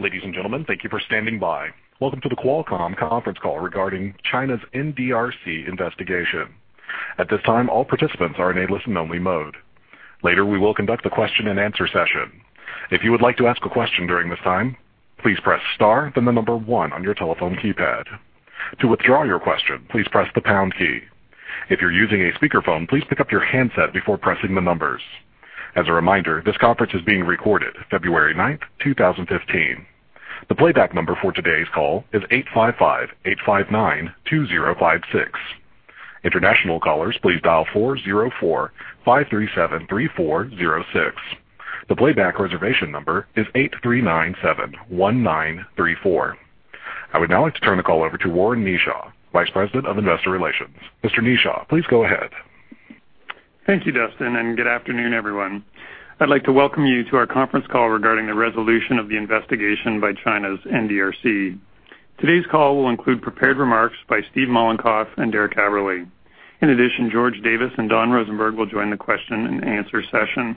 Ladies and gentlemen, thank you for standing by. Welcome to the Qualcomm conference call regarding China's NDRC investigation. At this time, all participants are in a listen-only mode. Later, we will conduct a question and answer session. If you would like to ask a question during this time, please press star then the number one on your telephone keypad. To withdraw your question, please press the pound key. If you're using a speakerphone, please pick up your handset before pressing the numbers. As a reminder, this conference is being recorded February 9, 2015. The playback number for today's call is 855-859-2056. International callers please dial 404-537-3406. The playback reservation number is 83971934. I would now like to turn the call over to Warren Kneeshaw, Vice President of Investor Relations. Mr. Kneeshaw, please go ahead. Thank you, Dustin, good afternoon, everyone. I'd like to welcome you to our conference call regarding the resolution of the investigation by China's NDRC. Today's call will include prepared remarks by Steve Mollenkopf and Derek Aberle. In addition, George Davis and Don Rosenberg will join the question and answer session.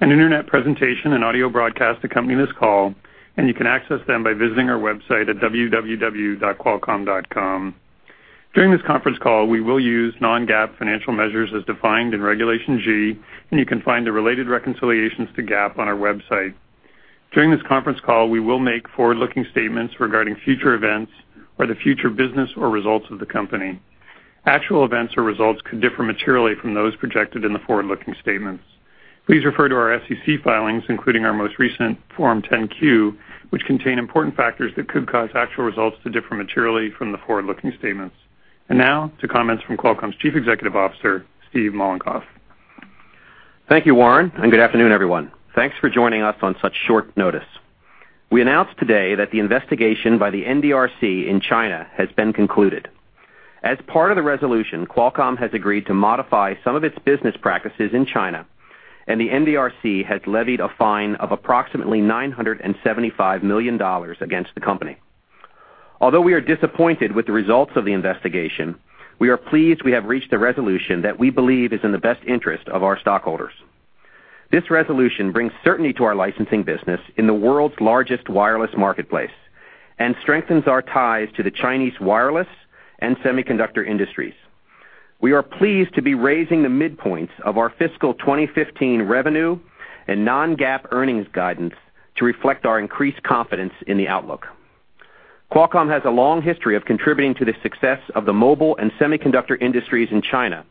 An internet presentation and audio broadcast accompany this call, and you can access them by visiting our website at www.qualcomm.com. During this conference call, we will use non-GAAP financial measures as defined in Regulation G, and you can find the related reconciliations to GAAP on our website. During this conference call, we will make forward-looking statements regarding future events or the future business or results of the company. Actual events or results could differ materially from those projected in the forward-looking statements. Please refer to our SEC filings, including our most recent Form 10-Q, which contain important factors that could cause actual results to differ materially from the forward-looking statements. Now to comments from Qualcomm's Chief Executive Officer, Steve Mollenkopf. Thank you, Warren, and good afternoon, everyone. Thanks for joining us on such short notice. We announced today that the investigation by the NDRC in China has been concluded. As part of the resolution, Qualcomm has agreed to modify some of its business practices in China, and the NDRC has levied a fine of approximately $975 million against the company. Although we are disappointed with the results of the investigation, we are pleased we have reached a resolution that we believe is in the best interest of our stockholders. This resolution brings certainty to our licensing business in the world's largest wireless marketplace and strengthens our ties to the Chinese wireless and semiconductor industries. We are pleased to be raising the midpoints of our fiscal 2015 revenue and non-GAAP earnings guidance to reflect our increased confidence in the outlook. Qualcomm has a long history of contributing to the success of the mobile and semiconductor industries in China.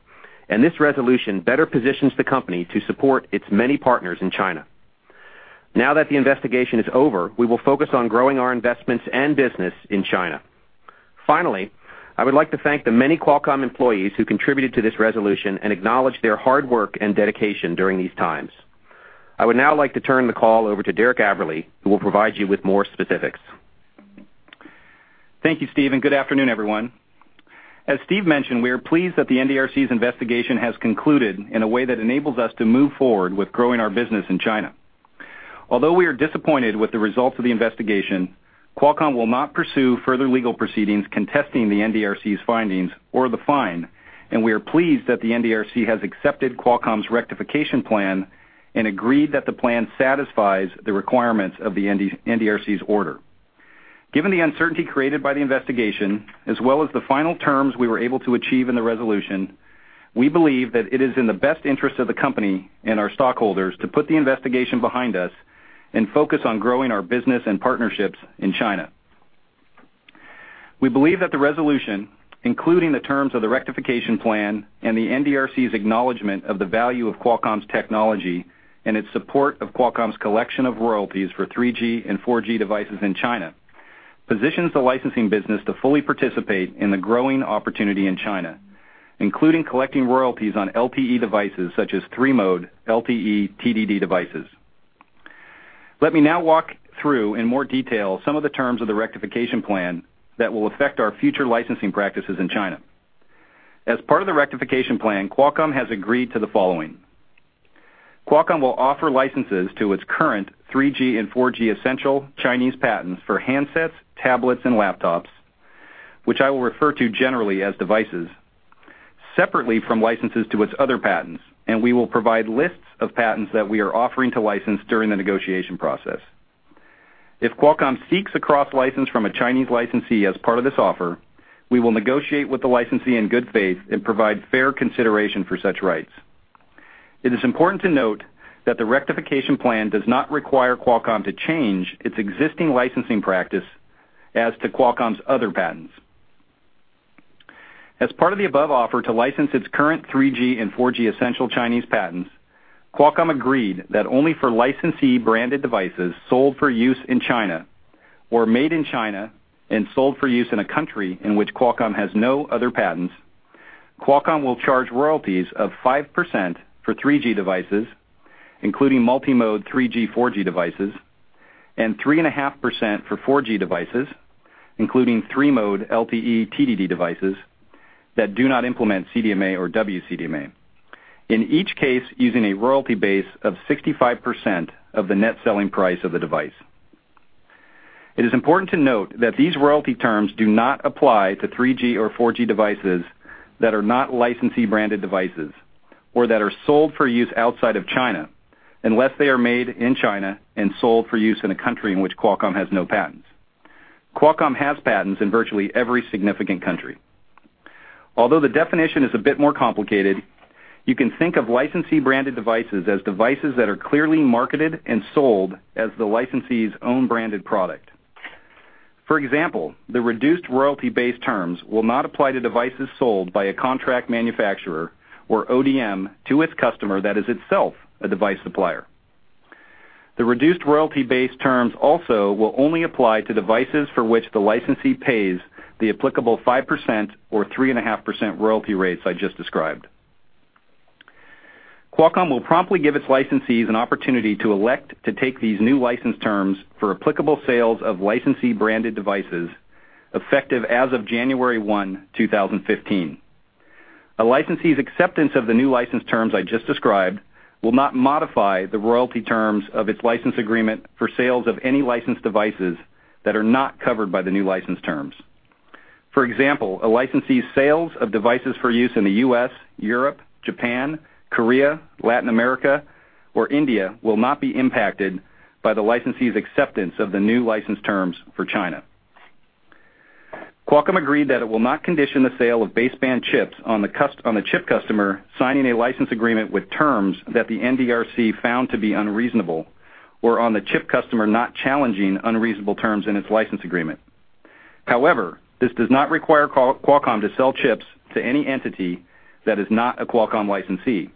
This resolution better positions the company to support its many partners in China. Now that the investigation is over, we will focus on growing our investments and business in China. Finally, I would like to thank the many Qualcomm employees who contributed to this resolution and acknowledge their hard work and dedication during these times. I would now like to turn the call over to Derek Aberle, who will provide you with more specifics. Thank you, Steve, and good afternoon, everyone. As Steve mentioned, we are pleased that the NDRC's investigation has concluded in a way that enables us to move forward with growing our business in China. Although we are disappointed with the results of the investigation, Qualcomm will not pursue further legal proceedings contesting the NDRC's findings or the fine. We are pleased that the NDRC has accepted Qualcomm's rectification plan and agreed that the plan satisfies the requirements of the NDRC's order. Given the uncertainty created by the investigation, as well as the final terms we were able to achieve in the resolution, we believe that it is in the best interest of the company and our stockholders to put the investigation behind us and focus on growing our business and partnerships in China. We believe that the resolution, including the terms of the rectification plan and the NDRC's acknowledgment of the value of Qualcomm's technology and its support of Qualcomm's collection of royalties for 3G and 4G devices in China, positions the licensing business to fully participate in the growing opportunity in China, including collecting royalties on LTE devices such as three-mode LTE-TDD devices. Let me now walk through in more detail some of the terms of the rectification plan that will affect our future licensing practices in China. As part of the rectification plan, Qualcomm has agreed to the following. Qualcomm will offer licenses to its current 3G and 4G essential Chinese patents for handsets, tablets, and laptops, which I will refer to generally as devices, separately from licenses to its other patents. We will provide lists of patents that we are offering to license during the negotiation process. If Qualcomm seeks a cross-license from a Chinese licensee as part of this offer, we will negotiate with the licensee in good faith and provide fair consideration for such rights. It is important to note that the rectification plan does not require Qualcomm to change its existing licensing practice as to Qualcomm's other patents. As part of the above offer to license its current 3G and 4G essential Chinese patents, Qualcomm agreed that only for licensee-branded devices sold for use in China or made in China and sold for use in a country in which Qualcomm has no other patents, Qualcomm will charge royalties of 5% for 3G devices, including multi-mode 3G, 4G devices, and 3.5% for 4G devices, including three-mode LTE TDD devices that do not implement CDMA or WCDMA. In each case, using a royalty base of 65% of the net selling price of the device. It is important to note that these royalty terms do not apply to 3G or 4G devices that are not licensee-branded devices or that are sold for use outside of China, unless they are made in China and sold for use in a country in which Qualcomm has no patents. Qualcomm has patents in virtually every significant country. Although the definition is a bit more complicated, you can think of licensee-branded devices as devices that are clearly marketed and sold as the licensee's own branded product. For example, the reduced royalty-based terms will not apply to devices sold by a contract manufacturer or ODM to its customer that is itself a device supplier. The reduced royalty-based terms also will only apply to devices for which the licensee pays the applicable 5% or 3.5% royalty rates I just described. Qualcomm will promptly give its licensees an opportunity to elect to take these new license terms for applicable sales of licensee-branded devices effective as of January 1, 2015. A licensee's acceptance of the new license terms I just described will not modify the royalty terms of its license agreement for sales of any licensed devices that are not covered by the new license terms. For example, a licensee's sales of devices for use in the U.S., Europe, Japan, Korea, Latin America, or India will not be impacted by the licensee's acceptance of the new license terms for China. Qualcomm agreed that it will not condition the sale of baseband chips on the chip customer signing a license agreement with terms that the NDRC found to be unreasonable or on the chip customer not challenging unreasonable terms in its license agreement. However, this does not require Qualcomm to sell chips to any entity that is not a Qualcomm licensee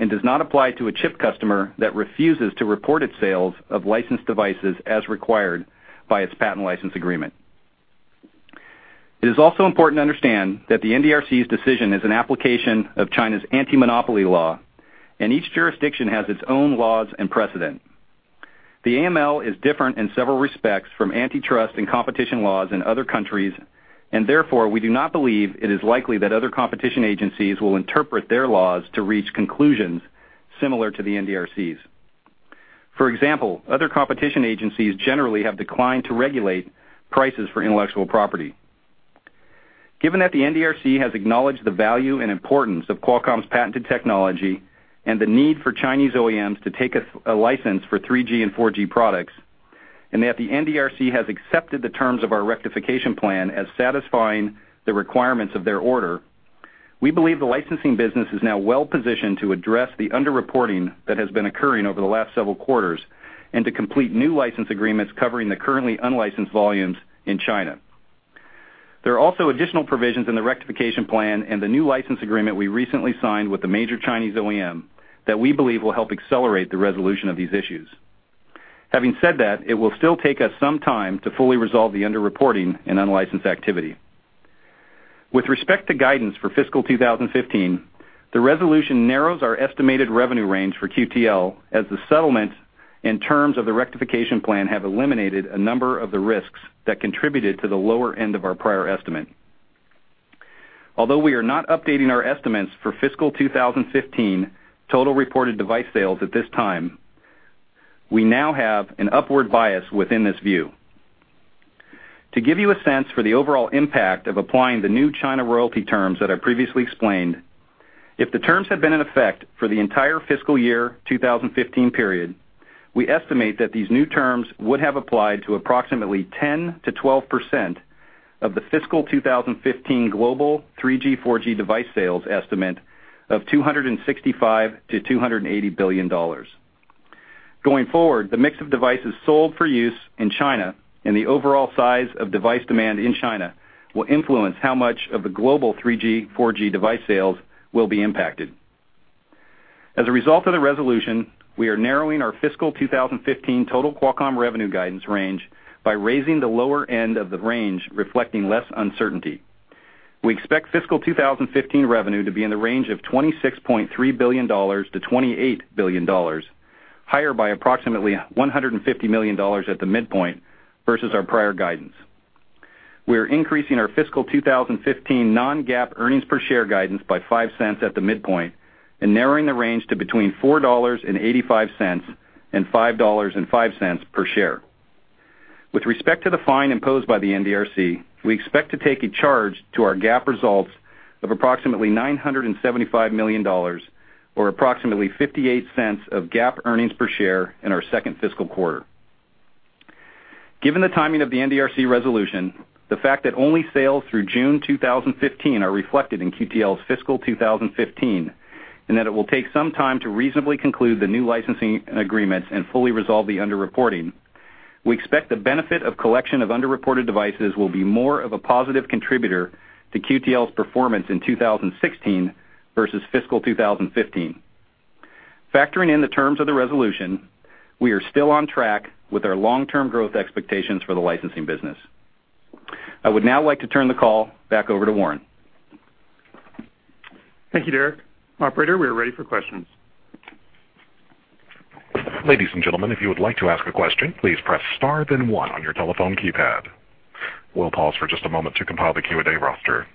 and does not apply to a chip customer that refuses to report its sales of licensed devices as required by its patent license agreement. It is also important to understand that the NDRC's decision is an application of China's Anti-Monopoly Law, and each jurisdiction has its own laws and precedent. The AML is different in several respects from antitrust and competition laws in other countries, and therefore, we do not believe it is likely that other competition agencies will interpret their laws to reach conclusions similar to the NDRC's. For example, other competition agencies generally have declined to regulate prices for intellectual property. Given that the NDRC has acknowledged the value and importance of Qualcomm's patented technology and the need for Chinese OEMs to take a license for 3G and 4G products, and that the NDRC has accepted the terms of our rectification plan as satisfying the requirements of their order, we believe the licensing business is now well positioned to address the underreporting that has been occurring over the last several quarters and to complete new license agreements covering the currently unlicensed volumes in China. There are also additional provisions in the rectification plan and the new license agreement we recently signed with a major Chinese OEM that we believe will help accelerate the resolution of these issues. Having said that, it will still take us some time to fully resolve the underreporting and unlicensed activity. With respect to guidance for FY 2015, the resolution narrows our estimated revenue range for QTL as the settlement and terms of the rectification plan have eliminated a number of the risks that contributed to the lower end of our prior estimate. Although we are not updating our estimates for FY 2015 total reported device sales at this time, we now have an upward bias within this view. To give you a sense for the overall impact of applying the new China royalty terms that I previously explained, if the terms had been in effect for the entire FY 2015 period, we estimate that these new terms would have applied to approximately 10%-12% of the FY 2015 global 3G, 4G device sales estimate of $265 billion-$280 billion. Going forward, the mix of devices sold for use in China and the overall size of device demand in China will influence how much of the global 3G, 4G device sales will be impacted. As a result of the resolution, we are narrowing our FY 2015 total Qualcomm revenue guidance range by raising the lower end of the range, reflecting less uncertainty. We expect FY 2015 revenue to be in the range of $26.3 billion-$28 billion, higher by approximately $150 million at the midpoint versus our prior guidance. We are increasing our FY 2015 non-GAAP earnings per share guidance by $0.05 at the midpoint and narrowing the range to between $4.85 and $5.05 per share. With respect to the fine imposed by the NDRC, we expect to take a charge to our GAAP results of approximately $975 million or approximately $0.58 of GAAP earnings per share in our second fiscal quarter. Given the timing of the NDRC resolution, the fact that only sales through June 2015 are reflected in QTL's FY 2015, and that it will take some time to reasonably conclude the new licensing agreements and fully resolve the underreporting, we expect the benefit of collection of underreported devices will be more of a positive contributor to QTL's performance in 2016 versus FY 2015. Factoring in the terms of the resolution, we are still on track with our long-term growth expectations for the licensing business. I would now like to turn the call back over to Warren. Thank you, Derek. Operator, we are ready for questions. Ladies and gentlemen, if you would like to ask a question, please press star then one on your telephone keypad. We'll pause for just a moment to compile the Q&A roster.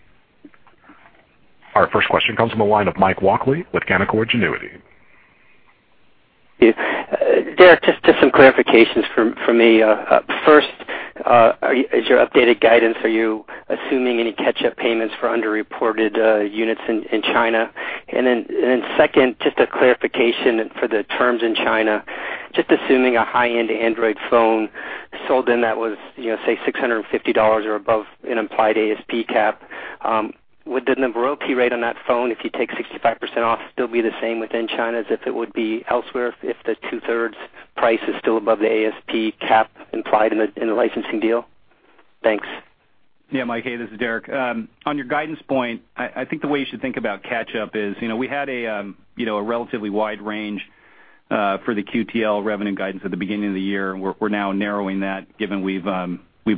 Our first question comes from the line of Mike Walkley with Canaccord Genuity. Yeah. Derek, just some clarifications from me. First, as your updated guidance, are you assuming any catch-up payments for underreported units in China? Second, just a clarification for the terms in China, just assuming a high-end Android phone sold in that was, say, $650 or above an implied ASP cap. Would the royalty rate on that phone, if you take 65% off, still be the same within China as if it would be elsewhere if the two-thirds price is still above the ASP cap implied in the licensing deal? Thanks. Yeah, Mike. Hey, this is Derek. On your guidance point, I think the way you should think about catch-up is, we had a relatively wide range for the QTL revenue guidance at the beginning of the year, we're now narrowing that given we've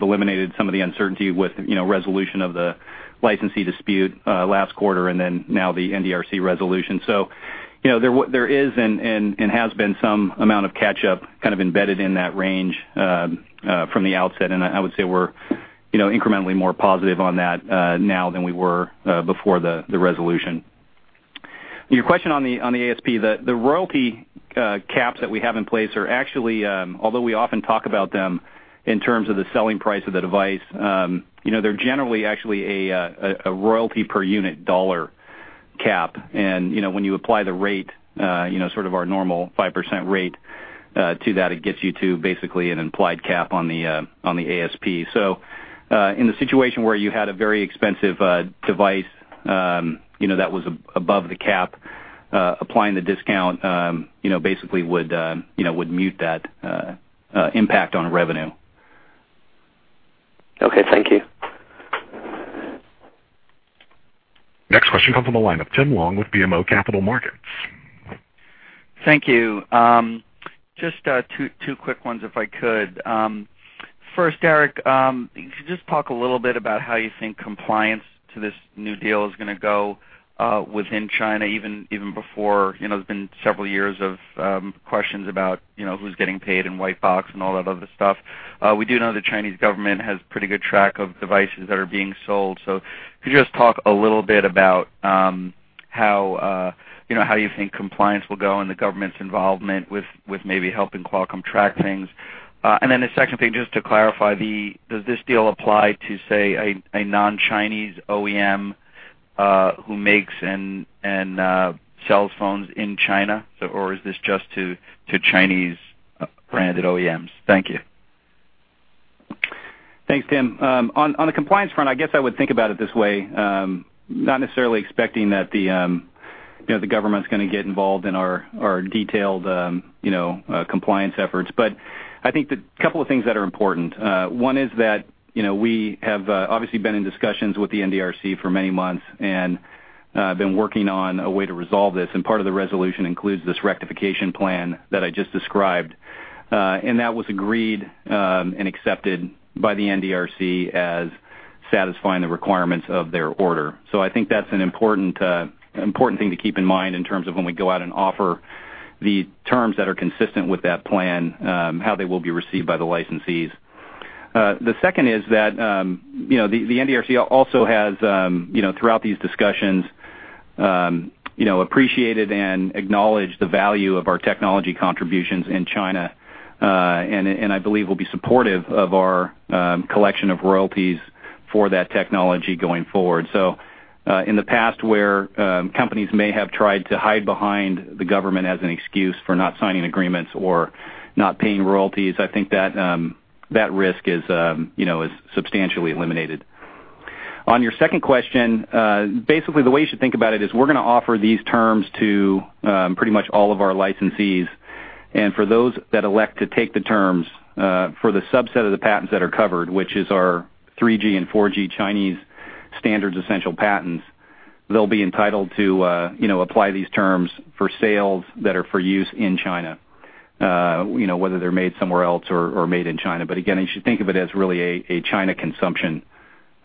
eliminated some of the uncertainty with resolution of the licensee dispute last quarter and now the NDRC resolution. There is and has been some amount of catch-up kind of embedded in that range from the outset, and I would say we're incrementally more positive on that now than we were before the resolution. Your question on the ASP, the royalty caps that we have in place are actually, although we often talk about them in terms of the selling price of the device, they're generally actually a royalty per unit dollar cap. When you apply the rate, sort of our normal 5% rate to that, it gets you to basically an implied cap on the ASP. In the situation where you had a very expensive device that was above the cap, applying the discount basically would mute that impact on revenue. Okay. Thank you. Next question comes on the line of Tim Long with BMO Capital Markets. Thank you. Just two quick ones if I could. First, Derek, could you just talk a little bit about how you think compliance to this new deal is going to go within China, even before, there's been several years of questions about who's getting paid in white box and all that other stuff. We do know the Chinese government has pretty good track of devices that are being sold. Could you just talk a little bit about how you think compliance will go and the government's involvement with maybe helping Qualcomm track things? The second thing, just to clarify, does this deal apply to, say, a non-Chinese OEM who makes and sells phones in China, or is this just to Chinese-branded OEMs? Thank you. Thanks, Tim. On the compliance front, I guess I would think about it this way, not necessarily expecting that the government's going to get involved in our detailed compliance efforts. I think the couple of things that are important, one is that we have obviously been in discussions with the NDRC for many months and been working on a way to resolve this, and part of the resolution includes this rectification plan that I just described. That was agreed and accepted by the NDRC as satisfying the requirements of their order. I think that's an important thing to keep in mind in terms of when we go out and offer the terms that are consistent with that plan, how they will be received by the licensees. The second is that the NDRC also has throughout these discussions appreciated and acknowledged the value of our technology contributions in China, and I believe will be supportive of our collection of royalties for that technology going forward. In the past where companies may have tried to hide behind the government as an excuse for not signing agreements or not paying royalties, I think that risk is substantially eliminated. On your second question, basically, the way you should think about it is we're going to offer these terms to pretty much all of our licensees. For those that elect to take the terms for the subset of the patents that are covered, which is our 3G and 4G Chinese standards essential patents, they'll be entitled to apply these terms for sales that are for use in China whether they're made somewhere else or made in China. Again, you should think of it as really a China consumption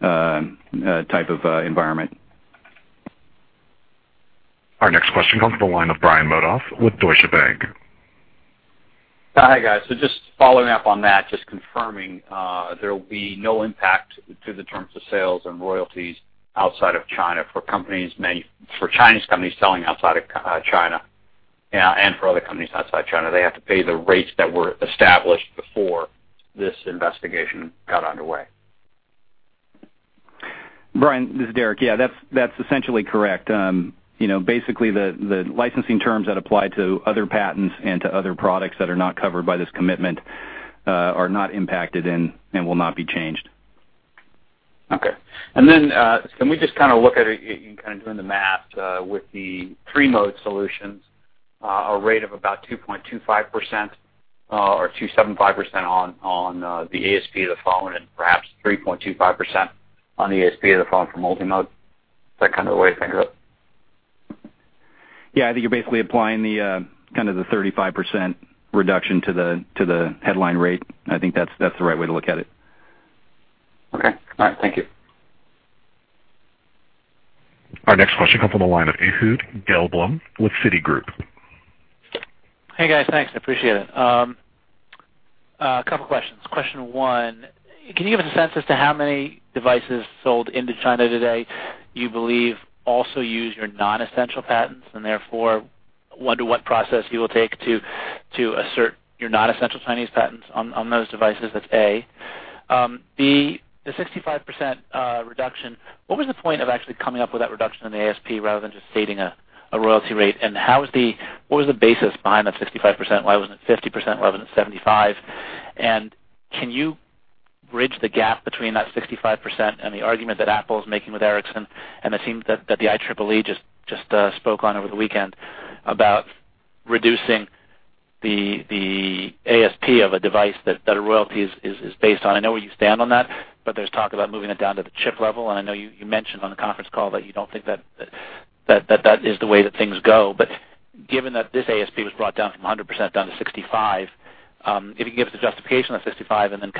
type of environment. Our next question comes from the line of Brian Modoff with Deutsche Bank. Hi, guys. Just following up on that, just confirming, there will be no impact to the terms of sales and royalties outside of China for Chinese companies selling outside of China and for other companies outside China. They have to pay the rates that were established before this investigation got underway. Brian, this is Derek. Yeah, that's essentially correct. Basically, the licensing terms that apply to other patents and to other products that are not covered by this commitment are not impacted and will not be changed. Okay. Can we just look at it in kind of doing the math with the three-mode solutions, a rate of about 2.25% or 2.75% on the ASP of the phone and perhaps 3.25% on the ASP of the phone for multi-mode? Is that kind of the way to think of it? Yeah, I think you're basically applying the kind of the 35% reduction to the headline rate. I think that's the right way to look at it. Okay. All right. Thank you. Our next question comes from the line of Ehud Gelblum with Citigroup. Hey guys, thanks. I appreciate it. A couple questions. Question one, can you give us a sense as to how many devices sold into China today you believe also use your non-essential patents, and therefore wonder what process you will take to assert your non-essential Chinese patents on those devices? That's A. B, the 65% reduction, what was the point of actually coming up with that reduction in the ASP rather than just stating a royalty rate? What was the basis behind that 65%? Why wasn't it 50%? Why wasn't it 75%? Can you bridge the gap between that 65% and the argument that Apple is making with Ericsson, and it seems that the IEEE just spoke on over the weekend about reducing the ASP of a device that a royalty is based on. I know where you stand on that, there's talk about moving it down to the chip level, I know you mentioned on the conference call that you don't think that is the way that things go. Given that this ASP was brought down from 100% down to 65, if you could give us the justification on 65, then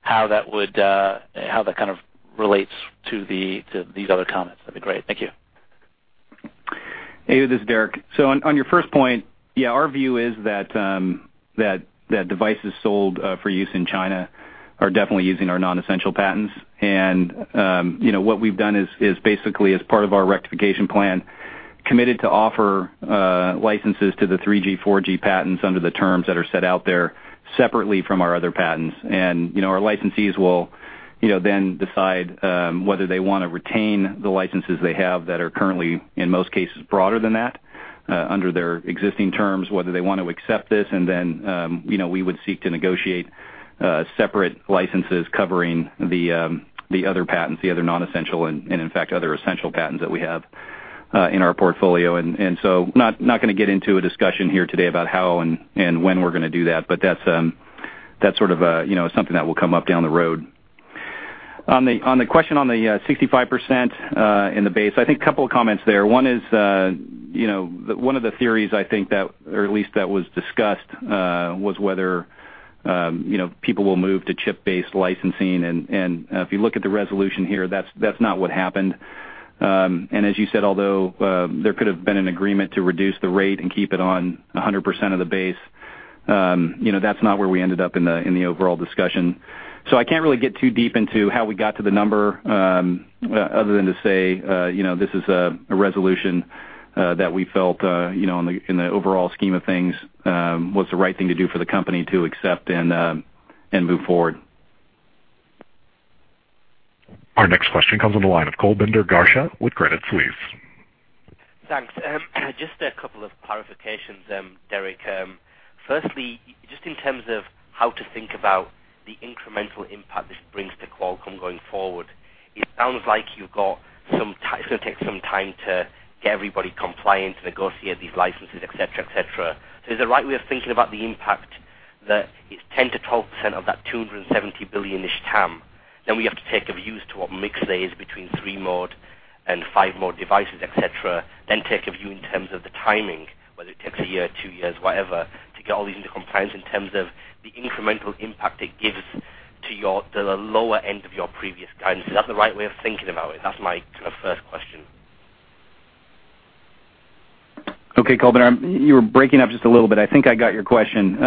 how that kind of relates to these other comments, that'd be great. Thank you. Hey, this is Derek. On your first point, yeah, our view is that devices sold for use in China are definitely using our non-essential patents. What we've done is basically as part of our rectification plan, committed to offer licenses to the 3G, 4G patents under the terms that are set out there separately from our other patents. Our licensees will then decide whether they want to retain the licenses they have that are currently, in most cases, broader than that, under their existing terms, whether they want to accept this. We would seek to negotiate separate licenses covering the other patents, the other non-essential and in fact, other essential patents that we have in our portfolio. Not going to get into a discussion here today about how and when we're going to do that's something that will come up down the road. On the question on the 65% in the base, I think a couple of comments there. One of the theories, I think that, or at least that was discussed, was whether people will move to chip-based licensing. If you look at the resolution here, that's not what happened. As you said, although there could have been an agreement to reduce the rate and keep it on 100% of the base, that's not where we ended up in the overall discussion. I can't really get too deep into how we got to the number, other than to say, this is a resolution that we felt in the overall scheme of things, was the right thing to do for the company to accept and move forward. Our next question comes on the line of Kulbinder Garcha with Credit Suisse. Thanks. Just a couple of clarifications, Derek. Firstly, just in terms of how to think about the incremental impact this brings to Qualcomm going forward, it sounds like it's going to take some time to get everybody compliant, negotiate these licenses, et cetera. Is the right way of thinking about the impact that it's 10%-12% of that $270 billion-ish TAM, then we have to take a view as to what mix there is between three-mode and five-mode devices, et cetera, then take a view in terms of the timing, whether it takes a year, two years, whatever, to get all these into compliance in terms of the incremental impact it gives to the lower end of your previous guidance. Is that the right way of thinking about it? That's my first question. Okay, Kulbinder, you were breaking up just a little bit. I think I got your question.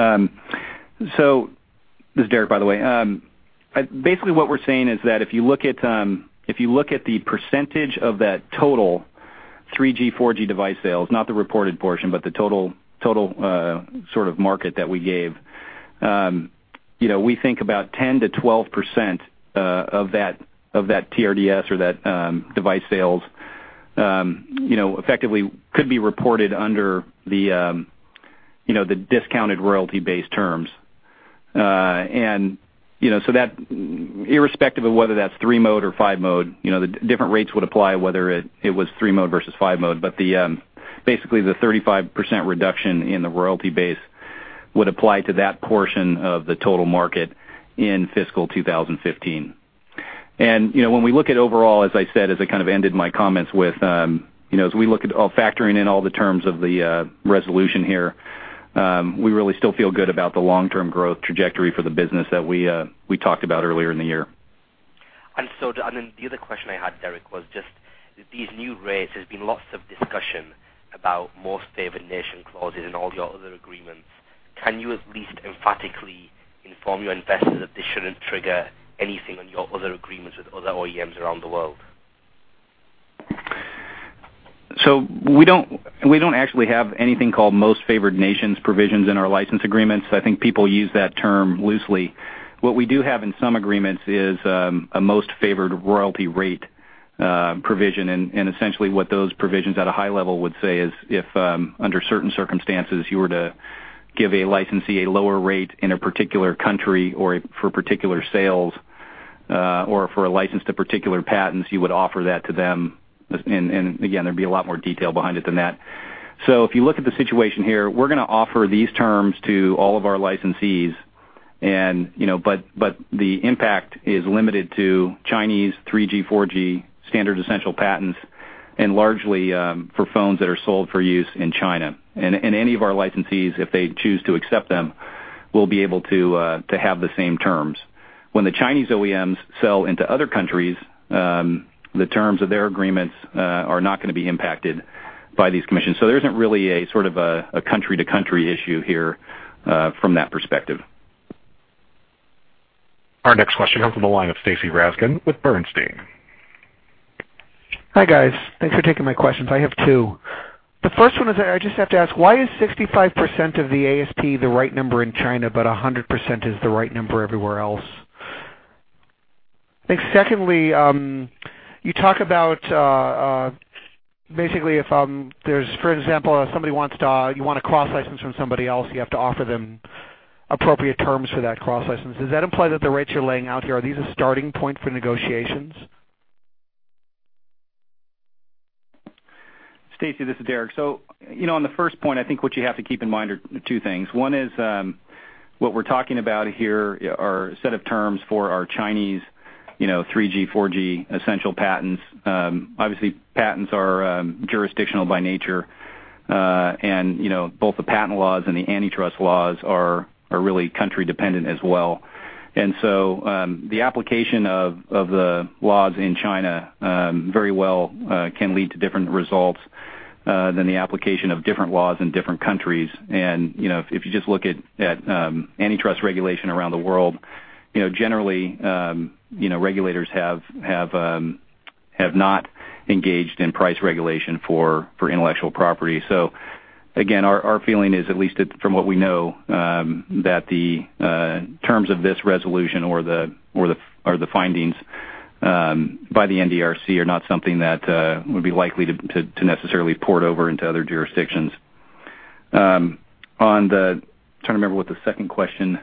This is Derek, by the way. What we're saying is that if you look at the percentage of that total 3G, 4G device sales, not the reported portion, but the total sort of market that we gave. We think about 10%-12% of that TRDS or that device sales effectively could be reported under the discounted royalty-based terms. Irrespective of whether that's three-mode or five-mode, the different rates would apply, whether it was three-mode versus five-mode. The 35% reduction in the royalty base would apply to that portion of the total market in fiscal 2015. When we look at overall, as I said, as I kind of ended my comments with, as we look at factoring in all the terms of the resolution here, we really still feel good about the long-term growth trajectory for the business that we talked about earlier in the year. The other question I had, Derek, was just these new rates. There's been lots of discussion about Most Favored Nation clauses in all your other agreements. Can you at least emphatically inform your investors that this shouldn't trigger anything on your other agreements with other OEMs around the world? We don't actually have anything called Most Favored Nations provisions in our license agreements. I think people use that term loosely. What we do have in some agreements is, a Most Favored Royalty Rate provision. Essentially what those provisions at a high level would say is if, under certain circumstances, you were to give a licensee a lower rate in a particular country or for particular sales, or for a license to particular patents, you would offer that to them. Again, there'd be a lot more detail behind it than that. If you look at the situation here, we're going to offer these terms to all of our licensees, but the impact is limited to Chinese 3G, 4G standard essential patents, and largely for phones that are sold for use in China. Any of our licensees, if they choose to accept them, will be able to have the same terms. When the Chinese OEMs sell into other countries, the terms of their agreements are not going to be impacted by these commissions. There isn't really a country-to-country issue here from that perspective. Our next question comes from the line of Stacy Rasgon with Bernstein. Hi, guys. Thanks for taking my questions. I have two. The first one is, I just have to ask, why is 65% of the ASP the right number in China, but 100% is the right number everywhere else? Secondly, you talk about, basically, for example, if you want to cross-license from somebody else, you have to offer them appropriate terms for that cross-license. Does that imply that the rates you're laying out here, are these a starting point for negotiations? Stacy, this is Derek. On the first point, I think what you have to keep in mind are two things. One is, what we're talking about here are a set of terms for our Chinese 3G, 4G essential patents. Obviously, patents are jurisdictional by nature. Both the patent laws and the antitrust laws are really country-dependent as well. The application of the laws in China very well can lead to different results than the application of different laws in different countries. If you just look at antitrust regulation around the world, generally, regulators have not engaged in price regulation for intellectual property. Again, our feeling is, at least from what we know, that the terms of this resolution or the findings by the NDRC are not something that would be likely to necessarily port over into other jurisdictions. I'm trying to remember what the second question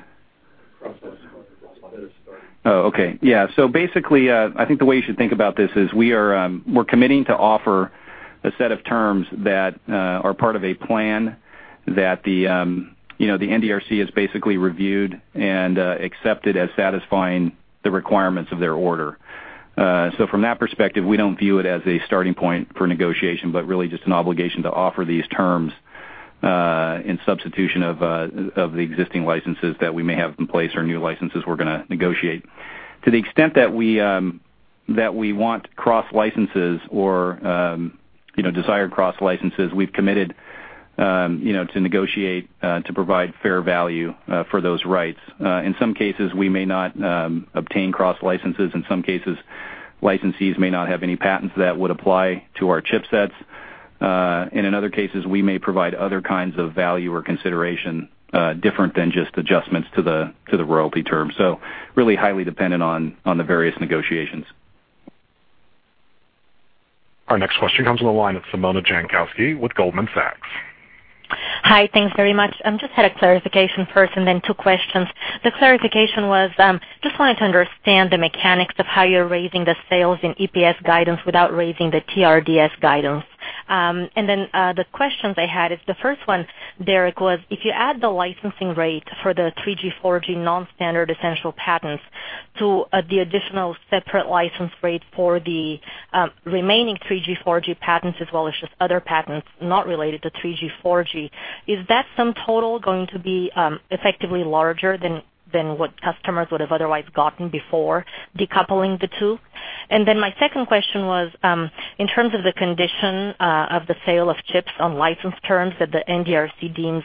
Cross-license. Oh, okay. Yeah. Basically, I think the way you should think about this is, we're committing to offer a set of terms that are part of a plan that the NDRC has basically reviewed and accepted as satisfying the requirements of their order. From that perspective, we don't view it as a starting point for negotiation, but really just an obligation to offer these terms in substitution of the existing licenses that we may have in place or new licenses we're gonna negotiate. To the extent that we want cross-licenses or desire cross-licenses, we've committed to negotiate to provide fair value for those rights. In some cases, we may not obtain cross-licenses. In some cases, licensees may not have any patents that would apply to our chipsets. In other cases, we may provide other kinds of value or consideration, different than just adjustments to the royalty terms. Really highly dependent on the various negotiations. Our next question comes from the line of Simona Jankowski with Goldman Sachs. Hi. Thanks very much. I just had a clarification first, then two questions. The clarification was, just wanted to understand the mechanics of how you're raising the sales and EPS guidance without raising the TRDS guidance. The questions I had is, the first one, Derek, was, if you add the licensing rate for the 3G, 4G non-standard essential patents to the additional separate license rate for the remaining 3G, 4G patents as well as just other patents not related to 3G, 4G, is that sum total going to be effectively larger than what customers would have otherwise gotten before decoupling the two? My second question was, in terms of the condition of the sale of chips on license terms that the NDRC deems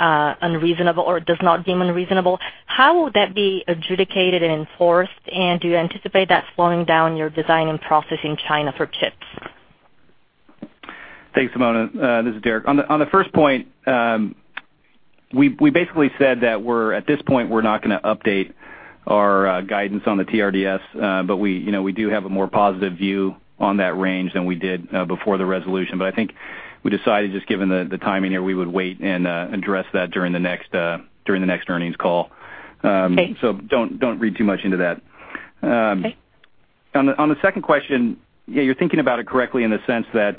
unreasonable or does not deem unreasonable, how will that be adjudicated and enforced? Do you anticipate that slowing down your design and process in China for chips? Thanks, Simona. This is Derek. On the first point, we basically said that at this point, we're not gonna update our guidance on the TRDS. We do have a more positive view on that range than we did before the resolution. I think we decided, just given the timing here, we would wait and address that during the next earnings call. Okay. Don't read too much into that. Okay. On the second question, yeah, you're thinking about it correctly in the sense that,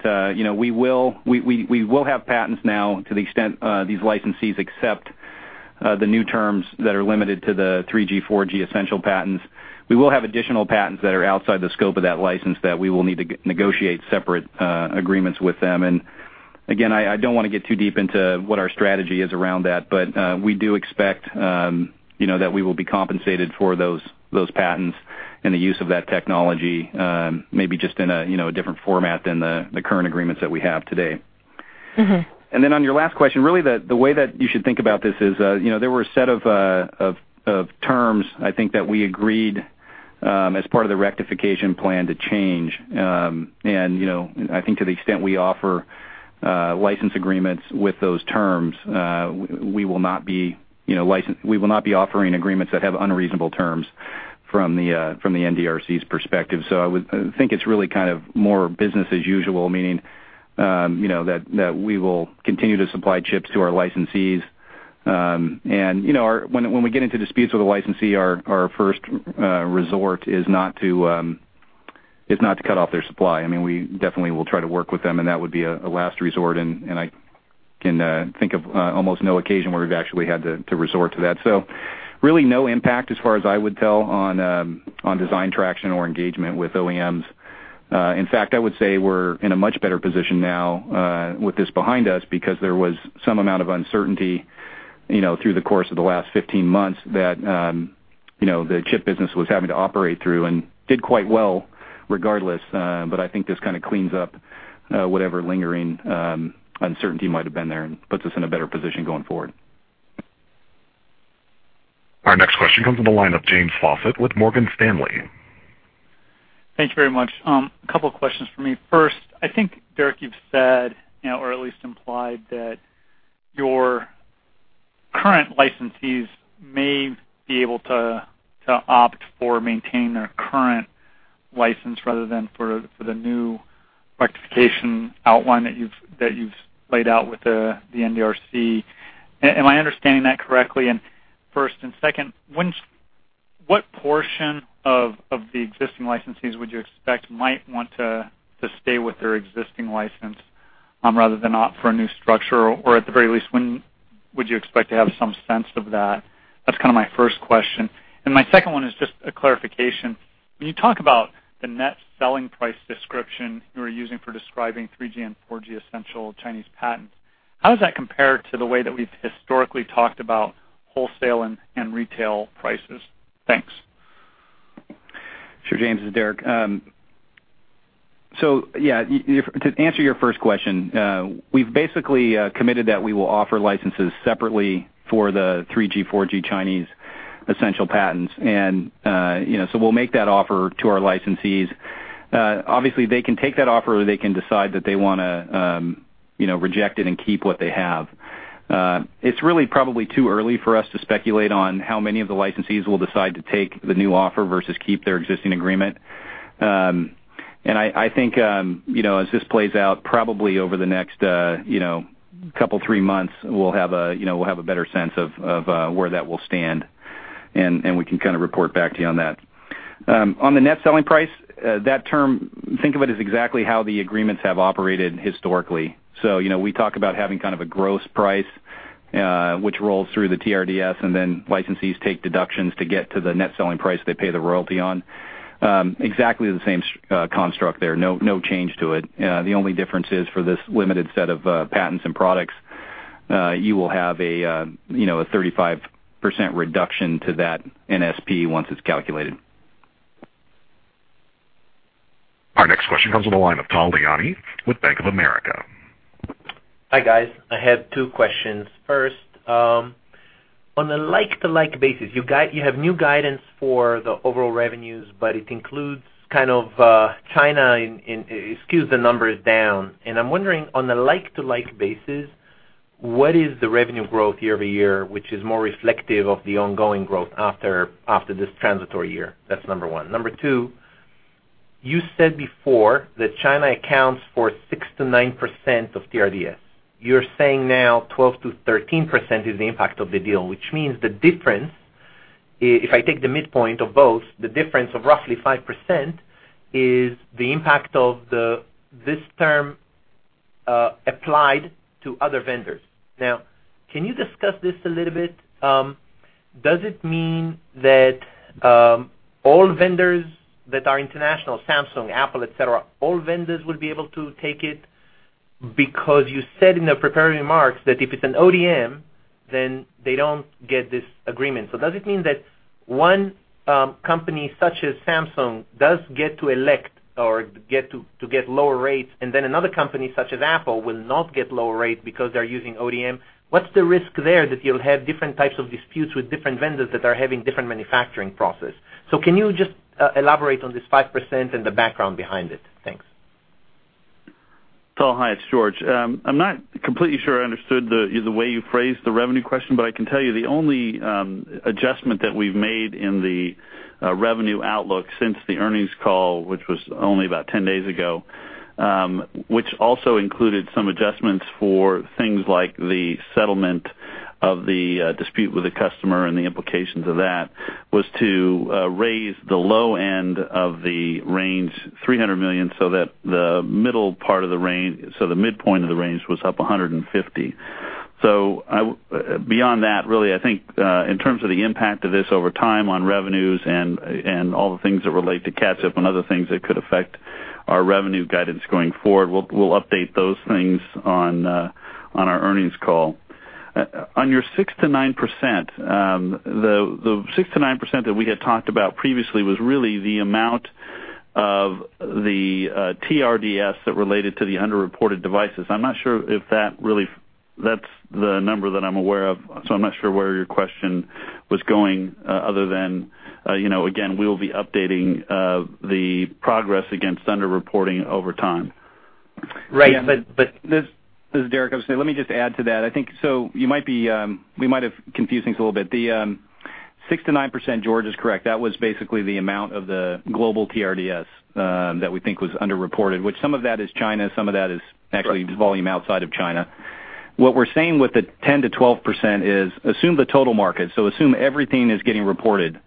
we will have patents now to the extent these licensees accept the new terms that are limited to the 3G, 4G essential patents. We will have additional patents that are outside the scope of that license that we will need to negotiate separate agreements with them. Again, I don't want to get too deep into what our strategy is around that, we do expect that we will be compensated for those patents and the use of that technology, maybe just in a different format than the current agreements that we have today. On your last question, really, the way that you should think about this is, there were a set of terms, I think, that we agreed, as part of the rectification plan, to change. I think to the extent we offer license agreements with those terms, we will not be offering agreements that have unreasonable terms from the NDRC's perspective. I think it's really more business as usual, meaning that we will continue to supply chips to our licensees. When we get into disputes with a licensee, our first resort is not to cut off their supply. We definitely will try to work with them, and that would be a last resort, and I can think of almost no occasion where we've actually had to resort to that. Really no impact, as far as I would tell, on design traction or engagement with OEMs. In fact, I would say we're in a much better position now with this behind us, because there was some amount of uncertainty through the course of the last 15 months that the chip business was having to operate through and did quite well regardless. I think this kind of cleans up whatever lingering uncertainty might have been there and puts us in a better position going forward. Our next question comes from the line of James Faucette with Morgan Stanley. Thank you very much. A couple questions for me. First, I think, Derek, you've said, or at least implied that your current licensees may be able to opt for maintain their current license rather than for the new rectification outline that you've laid out with the NDRC. Am I understanding that correctly? First and second, what portion of the existing licensees would you expect might want to stay with their existing license rather than opt for a new structure? Or at the very least, when would you expect to have some sense of that? That's my first question. My second one is just a clarification. When you talk about the net selling price description you were using for describing 3G and 4G essential Chinese patents, how does that compare to the way that we've historically talked about wholesale and retail prices? Thanks. Sure, James, this is Derek. Yeah, to answer your first question, we've basically committed that we will offer licenses separately for the 3G, 4G Chinese essential patents. We'll make that offer to our licensees. Obviously, they can take that offer, or they can decide that they want to reject it and keep what they have. It's really probably too early for us to speculate on how many of the licensees will decide to take the new offer versus keep their existing agreement. I think, as this plays out, probably over the next couple, three months, we'll have a better sense of where that will stand, and we can report back to you on that. On the net selling price, that term, think of it as exactly how the agreements have operated historically. We talk about having kind of a gross price, which rolls through the TRDS, and then licensees take deductions to get to the net selling price they pay the royalty on. Exactly the same construct there. No change to it. The only difference is for this limited set of patents and products, you will have a 35% reduction to that NSP once it's calculated. Our next question comes on the line of Tal Liani with Bank of America. Hi, guys. I have two questions. First, on a like-to-like basis, you have new guidance for the overall revenues, but it includes kind of China and skews the numbers down. I'm wondering, on a like-to-like basis, what is the revenue growth year-over-year, which is more reflective of the ongoing growth after this transitory year? That's number one. Number two, you said before that China accounts for 6%-9% of TRDS. You're saying now 12%-13% is the impact of the deal, which means the difference, if I take the midpoint of both, the difference of roughly 5% is the impact of this term applied to other vendors. Can you discuss this a little bit? Does it mean that all vendors that are international, Samsung, Apple, et cetera, all vendors will be able to take it? You said in the prepared remarks that if it's an ODM, then they don't get this agreement. Does it mean that one company such as Samsung does get to elect or to get lower rates, and then another company such as Apple will not get lower rates because they're using ODM? What's the risk there that you'll have different types of disputes with different vendors that are having different manufacturing process? Can you just elaborate on this 5% and the background behind it? Thanks. Tal, hi, it's George. I'm not completely sure I understood the way you phrased the revenue question, I can tell you the only adjustment that we've made in the revenue outlook since the earnings call, which was only about 10 days ago, which also included some adjustments for things like the settlement of the dispute with the customer and the implications of that, was to raise the low end of the range $300 million so that the midpoint of the range was up $150. Beyond that, really, I think, in terms of the impact of this over time on revenues and all the things that relate to catch-up and other things that could affect our revenue guidance going forward, we'll update those things on our earnings call. On your 6%-9%, the 6%-9% that we had talked about previously was really the amount of the TRDS that related to the underreported devices. That's the number that I'm aware of. I'm not sure where your question was going other than, again, we'll be updating the progress against underreporting over time. Right. This is Derek. I would say, let me just add to that. We might have confused things a little bit. The 6%-9%, George is correct. That was basically the amount of the global TRDS that we think was underreported, which some of that is China, some of that is actually volume outside of China. What we're saying with the 10%-12% is assume the total market, assume everything is getting reported.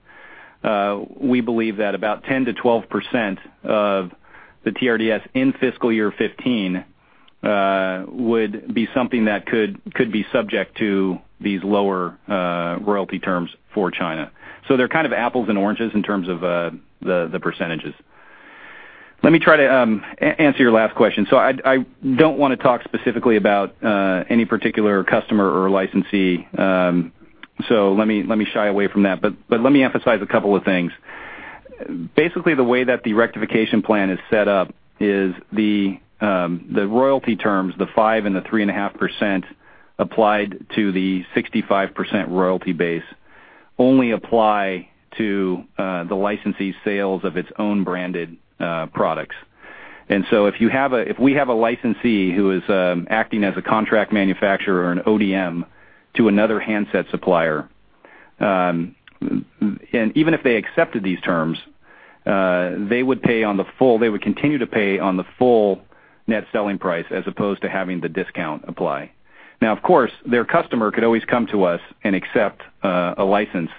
We believe that about 10%-12% of the TRDS in fiscal year 2015 would be something that could be subject to these lower royalty terms for China. They're kind of apples and oranges in terms of the percentages. Let me try to answer your last question. I don't want to talk specifically about any particular customer or licensee, let me shy away from that. Let me emphasize a couple of things. Basically, the way that the rectification plan is set up is the royalty terms, the 5% and the 3.5% applied to the 65% royalty base, only apply to the licensee sales of its own branded products. If we have a licensee who is acting as a contract manufacturer or an ODM to another handset supplier, even if they accepted these terms, they would continue to pay on the full net selling price as opposed to having the discount apply. Of course, their customer could always come to us and accept a license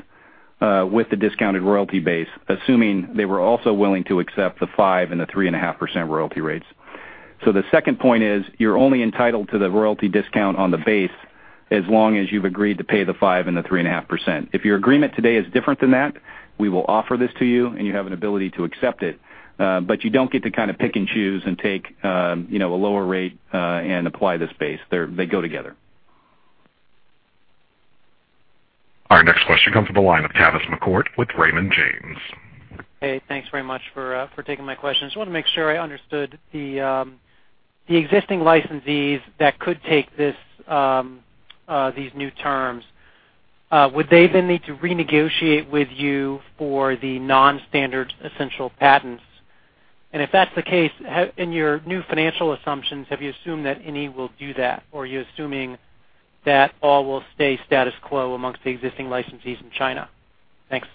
with the discounted royalty base, assuming they were also willing to accept the 5% and the 3.5% royalty rates. The second point is, you're only entitled to the royalty discount on the base as long as you've agreed to pay the 5% and the 3.5%. If your agreement today is different than that, we will offer this to you, and you have an ability to accept it. You don't get to pick and choose and take a lower rate and apply this base. They go together. Our next question comes from the line of Tavis McCourt with Raymond James. Hey, thanks very much for taking my questions. Wanted to make sure I understood the existing licensees that could take these new terms. Would they then need to renegotiate with you for the non-standard essential patents? If that's the case, in your new financial assumptions, have you assumed that any will do that? Or are you assuming that all will stay status quo amongst the existing licensees in China? Thanks.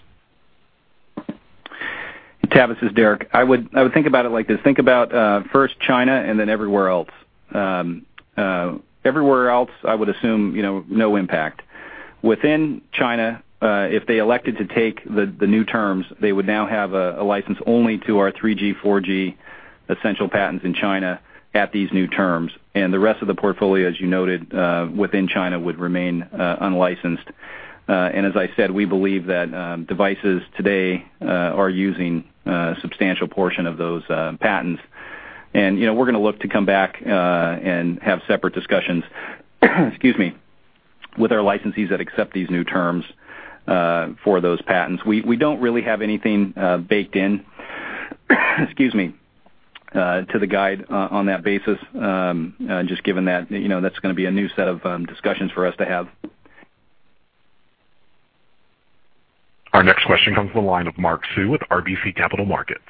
Tavis, this is Derek. I would think about it like this. Think about first China and then everywhere else. Everywhere else, I would assume no impact. Within China, if they elected to take the new terms, they would now have a license only to our 3G, 4G essential patents in China at these new terms. The rest of the portfolio, as you noted, within China, would remain unlicensed. As I said, we believe that devices today are using a substantial portion of those patents. We're going to look to come back and have separate discussions, excuse me, with our licensees that accept these new terms for those patents. We don't really have anything baked in, excuse me, to the guide on that basis, just given that that's going to be a new set of discussions for us to have. Our next question comes from the line of Mark Sue with RBC Capital Markets.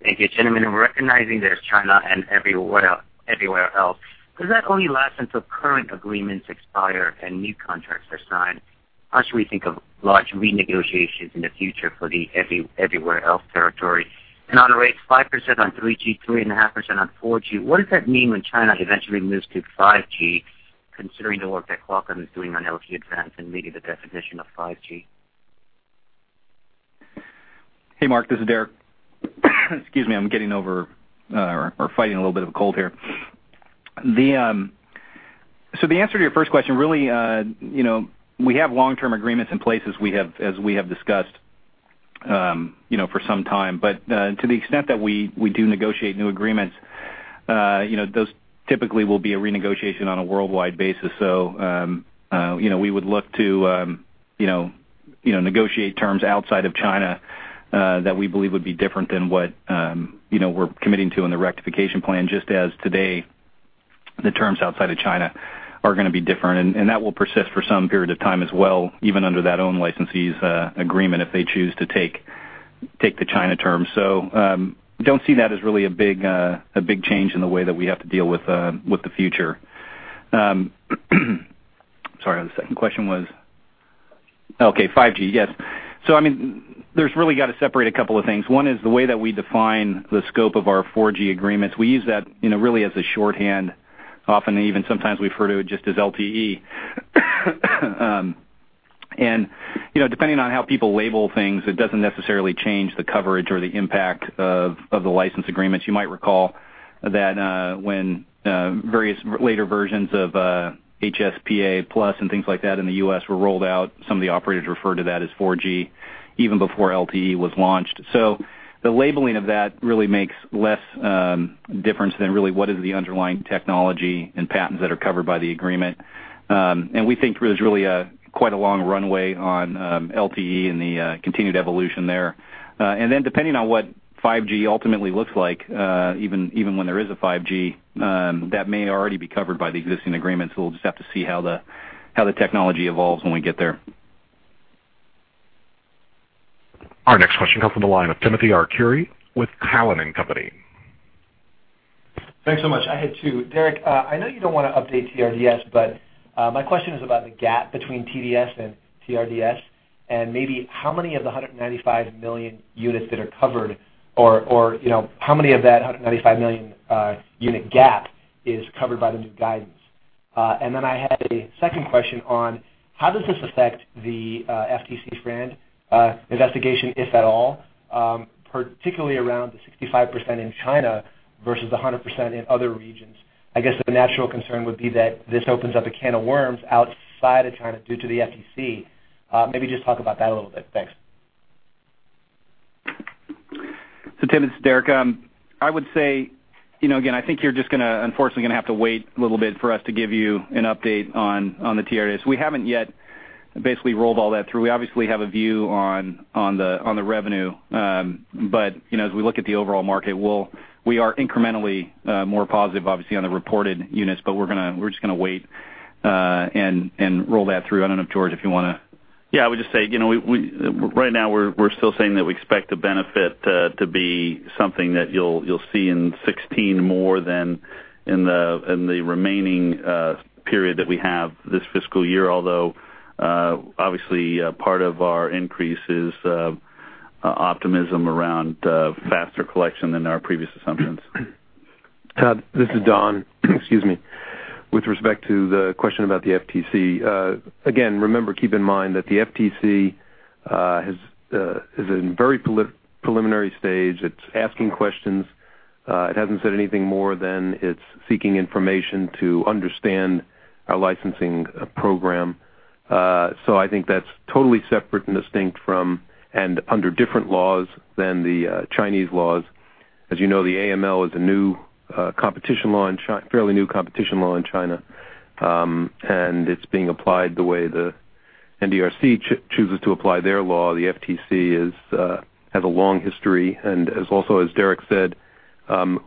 Thank you, gentlemen. In recognizing there's China and everywhere else, does that only last until current agreements expire and new contracts are signed? How should we think of large renegotiations in the future for the everywhere else territory? On the rates, 5% on 3G, 3.5% on 4G, what does that mean when China eventually moves to 5G, considering the work that Qualcomm is doing on LTE-Advanced and maybe the definition of 5G? Hey, Mark, this is Derek. Excuse me, I'm getting over or fighting a little bit of a cold here. The answer to your first question, really, we have long-term agreements in place as we have discussed for some time. To the extent that we do negotiate new agreements, those typically will be a renegotiation on a worldwide basis. We would look to negotiate terms outside of China that we believe would be different than what we're committing to in the rectification plan, just as today, the terms outside of China are going to be different. That will persist for some period of time as well, even under that own licensee's agreement, if they choose to take the China terms. Don't see that as really a big change in the way that we have to deal with the future. Sorry, the second question was? 5G. Okay, 5G. Yes. There's really got to separate a couple of things. One is the way that we define the scope of our 4G agreements. We use that really as a shorthand. Often even sometimes refer to it just as LTE. Depending on how people label things, it doesn't necessarily change the coverage or the impact of the license agreements. You might recall that when various later versions of HSPA+ and things like that in the U.S. were rolled out, some of the operators referred to that as 4G even before LTE was launched. The labeling of that really makes less difference than really what is the underlying technology and patents that are covered by the agreement. We think there's really quite a long runway on LTE and the continued evolution there. Depending on what 5G ultimately looks like, even when there is a 5G, that may already be covered by the existing agreements. We'll just have to see how the technology evolves when we get there. Our next question comes from the line of Timothy Arcuri with Cowen and Company. Thanks so much. I had two. Derek, I know you don't want to update TRDS, My question is about the gap between TDS and TRDS, and maybe how many of the 195 million units that are covered, or how many of that 195 million unit gap is covered by the new guidance? I had a second question on how does this affect the FTC's broad investigation, if at all, particularly around the 65% in China versus the 100% in other regions? I guess the natural concern would be that this opens up a can of worms outside of China due to the FTC. Maybe just talk about that a little bit. Thanks. Tim, this is Derek. I would say, again, I think you're just unfortunately going to have to wait a little bit for us to give you an update on the TRDS]. We haven't yet basically rolled all that through. We obviously have a view on the revenue. As we look at the overall market, we are incrementally more positive, obviously, on the reported units, but we're just going to wait, and roll that through. I don't know if, George, if you want to I would just say, right now we're still saying that we expect the benefit to be something that you'll see in 2016 more than in the remaining period that we have this fiscal year, although obviously, part of our increase is optimism around faster collection than our previous assumptions. This is Don. Excuse me. With respect to the question about the FTC, again, remember, keep in mind that the FTC is in very preliminary stage. It's asking questions. It hasn't said anything more than it's seeking information to understand our licensing program. I think that's totally separate and distinct from, and under different laws than the Chinese laws. As you know, the AML is a fairly new competition law in China. It's being applied the way the NDRC chooses to apply their law. The FTC has a long history, and also as Derek said,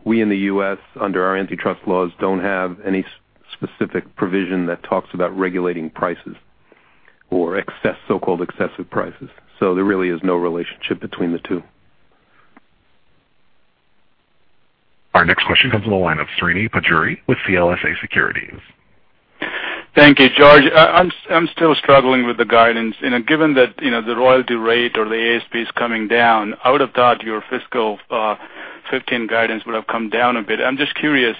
we in the U.S., under our antitrust laws, don't have any specific provision that talks about regulating prices or so-called excessive prices. There really is no relationship between the two. Our next question comes from the line of Srini Pajjuri with CLSA Securities. Thank you, George. I am still struggling with the guidance. Given that the royalty rate or the ASP is coming down, I would have thought your fiscal 2015 guidance would have come down a bit. I am just curious,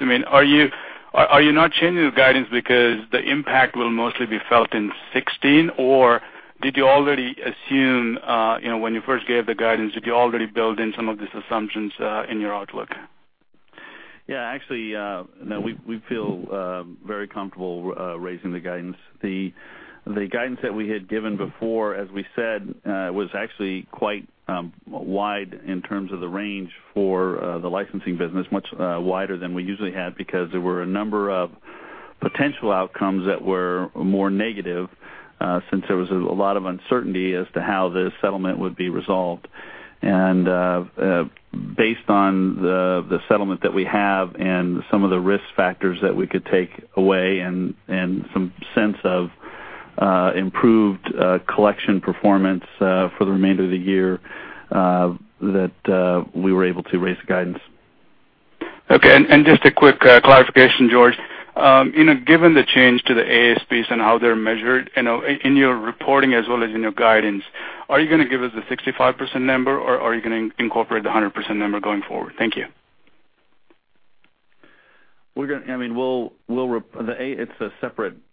are you not changing the guidance because the impact will mostly be felt in 2016? Did you already assume, when you first gave the guidance, did you already build in some of these assumptions in your outlook? Yeah, actually, no, we feel very comfortable raising the guidance. The guidance that we had given before, as we said, was actually quite wide in terms of the range for the licensing business, much wider than we usually had, because there were a number of potential outcomes that were more negative, since there was a lot of uncertainty as to how this settlement would be resolved. Based on the settlement that we have and some of the risk factors that we could take away and some sense of improved collection performance for the remainder of the year, that we were able to raise the guidance. Okay. Just a quick clarification, George. Given the change to the ASPs and how they are measured in your reporting as well as in your guidance, are you going to give us the 65% number or are you going to incorporate the 100% number going forward? Thank you.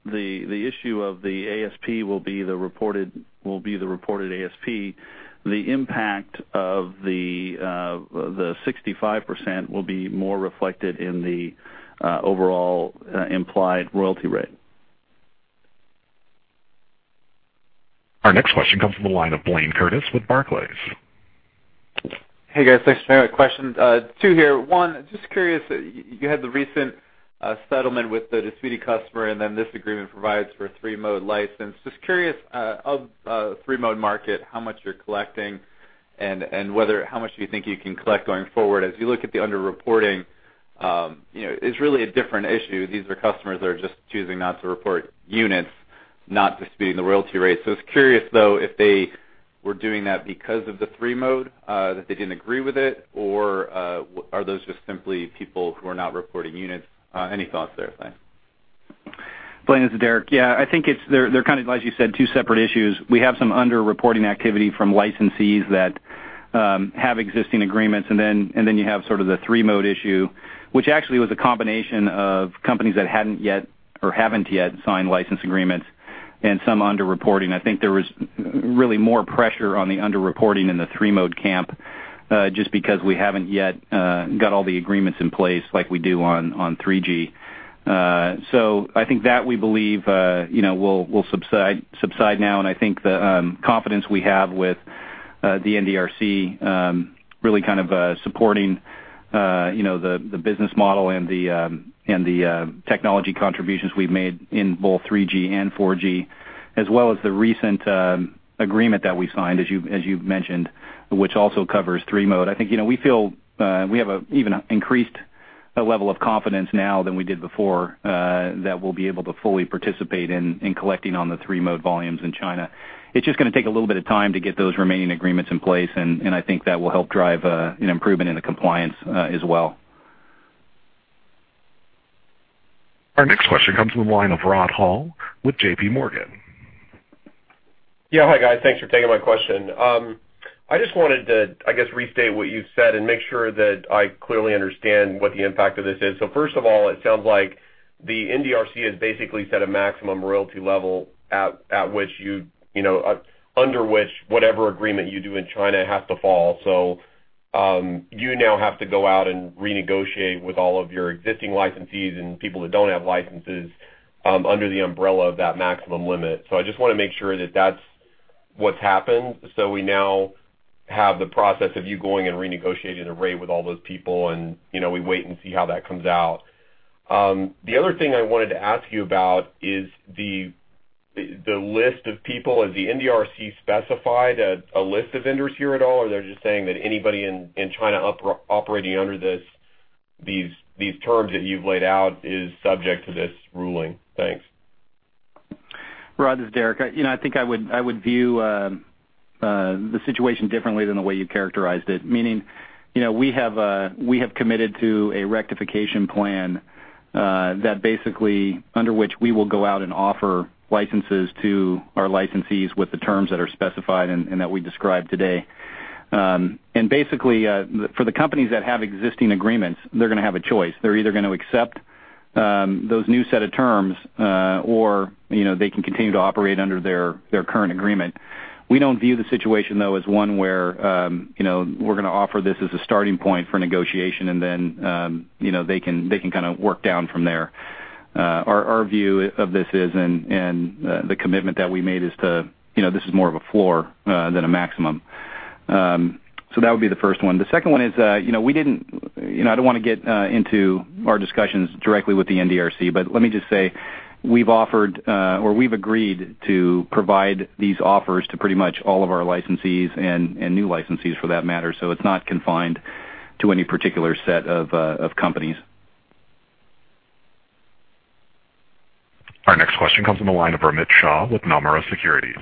The issue of the ASP will be the reported ASP. The impact of the 65% will be more reflected in the overall implied royalty rate. Our next question comes from the line of Blayne Curtis with Barclays. Hey, guys, thanks for taking my question. Two here. One, just curious, you had the recent settlement with the disputed customer, and then this agreement provides for a three-mode license. Just curious of three-mode market, how much you're collecting and how much do you think you can collect going forward? As you look at the underreporting, it's really a different issue. These are customers that are just choosing not to report units, not disputing the royalty rate. I was curious, though, if they were doing that because of the three-mode, that they didn't agree with it, or are those just simply people who are not reporting units? Any thoughts there? Thanks. Blayne, this is Derek. Yeah, I think they're, as you said, two separate issues. We have some underreporting activity from licensees that have existing agreements and then you have sort of the three-mode issue, which actually was a combination of companies that hadn't yet or haven't yet signed license agreements and some underreporting. I think there was really more pressure on the underreporting in the three-mode camp, just because we haven't yet got all the agreements in place like we do on 3G. I think that we believe will subside now, and I think the confidence we have with the NDRC really kind of supporting the business model and the technology contributions we've made in both 3G and 4G, as well as the recent agreement that we signed, as you've mentioned, which also covers three-mode. I think we have an even increased level of confidence now than we did before, that we'll be able to fully participate in collecting on the three-mode volumes in China. It's just gonna take a little bit of time to get those remaining agreements in place, and I think that will help drive an improvement in the compliance as well. Our next question comes from the line of Rod Hall with JP Morgan. Yeah. Hi, guys. Thanks for taking my question. I just wanted to, I guess, restate what you said and make sure that I clearly understand what the impact of this is. First of all, it sounds like the NDRC has basically set a maximum royalty level under which whatever agreement you do in China has to fall. You now have to go out and renegotiate with all of your existing licensees and people that don't have licenses under the umbrella of that maximum limit. I just want to make sure that that's what's happened. We now have the process of you going and renegotiating a rate with all those people, and we wait and see how that comes out. The other thing I wanted to ask you about is the list of people. Has the NDRC specified a list of vendors here at all, or they're just saying that anybody in China operating under these terms that you've laid out is subject to this ruling? Thanks. Rod, this is Derek. I think I would view the situation differently than the way you characterized it, meaning, we have committed to a rectification plan, under which we will go out and offer licenses to our licensees with the terms that are specified and that we described today. Basically, for the companies that have existing agreements, they're gonna have a choice. They're either gonna accept those new set of terms, or they can continue to operate under their current agreement. We don't view the situation, though, as one where we're gonna offer this as a starting point for negotiation and then they can kind of work down from there. Our view of this is, and the commitment that we made, is this is more of a floor than a maximum. That would be the first one. The second one is, I don't wanna get into our discussions directly with the NDRC, let me just say, we've offered or we've agreed to provide these offers to pretty much all of our licensees and new licensees for that matter. It's not confined to any particular set of companies. Our next question comes from the line of Amit Shah with Nomura Securities.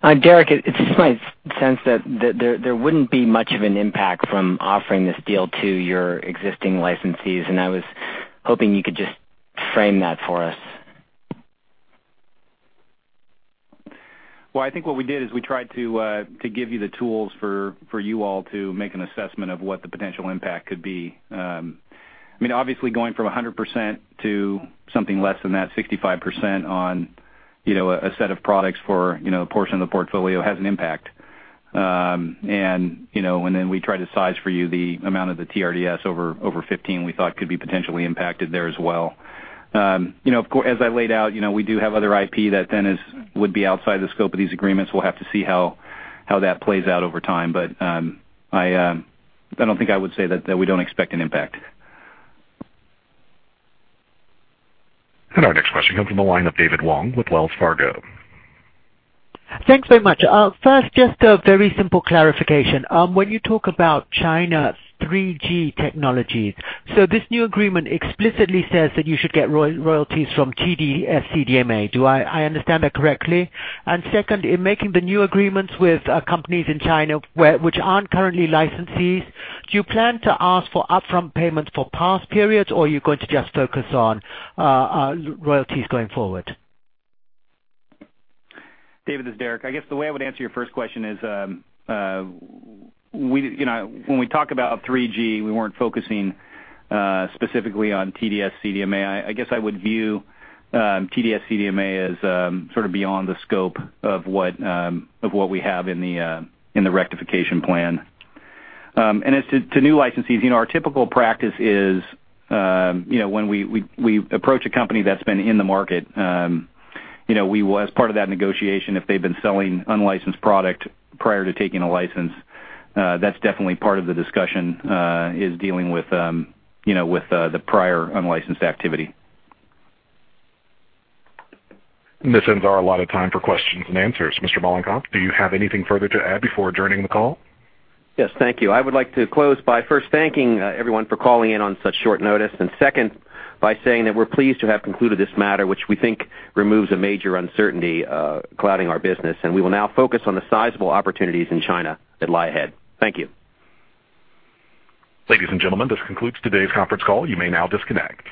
Hi, Derek. It's just my sense that there wouldn't be much of an impact from offering this deal to your existing licensees, I was hoping you could just frame that for us. Well, I think what we did is we tried to give you the tools for you all to make an assessment of what the potential impact could be. Obviously, going from 100% to something less than that, 65% on a set of products for a portion of the portfolio has an impact. Then we try to size for you the amount of the TRDS over 15 we thought could be potentially impacted there as well. As I laid out, we do have other IP that then would be outside the scope of these agreements. We'll have to see how that plays out over time. I don't think I would say that we don't expect an impact. Our next question comes from the line of David Wong with Wells Fargo. Thanks very much. First, just a very simple clarification. When you talk about China 3G technologies, so this new agreement explicitly says that you should get royalties from TD-SCDMA. Do I understand that correctly? Second, in making the new agreements with companies in China, which aren't currently licensees, do you plan to ask for upfront payments for past periods, or are you going to just focus on royalties going forward? David, this is Derek. I guess the way I would answer your first question is, when we talk about 3G, we weren't focusing specifically on TD-SCDMA. I guess I would view TD-SCDMA as sort of beyond the scope of what we have in the rectification plan. As to new licensees, our typical practice is, when we approach a company that's been in the market, as part of that negotiation, if they've been selling unlicensed product prior to taking a license, that's definitely part of the discussion is dealing with the prior unlicensed activity. This ends our allotted time for questions and answers. Mr. Mollenkopf, do you have anything further to add before adjourning the call? Yes. Thank you. I would like to close by first thanking everyone for calling in on such short notice, and second, by saying that we're pleased to have concluded this matter, which we think removes a major uncertainty clouding our business, and we will now focus on the sizable opportunities in China that lie ahead. Thank you. Ladies and gentlemen, this concludes today's conference call. You may now disconnect.